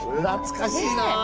懐かしいな！